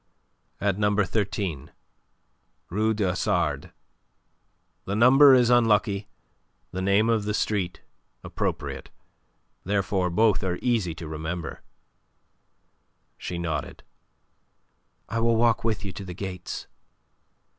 "At number 13, Rue du Hasard. The number is unlucky, the name of the street appropriate. Therefore both are easy to remember." She nodded. "I will walk with you to the gates."